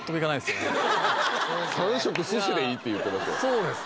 ３食寿司でいいって言ってますよ